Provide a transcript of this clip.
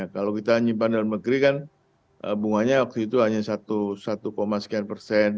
kalau kita menyimpan di dalam negeri kan bunganya waktu itu hanya satu satu persen